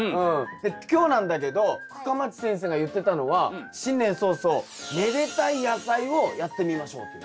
で今日なんだけど深町先生が言ってたのは新年早々めでたい野菜をやってみましょうという。